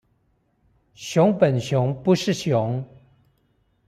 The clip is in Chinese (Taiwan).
熊本熊不是熊